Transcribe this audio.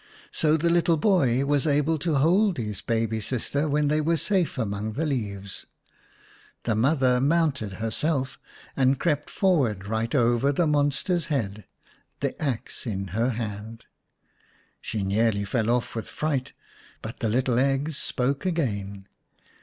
So the little boy was able to hold his baby sister when they were safe among the leaves ; the mother mounted herself and crept forward right over the monster's head, the axe in her hand. She nearly fell off with fright, but the little eggs spoke again.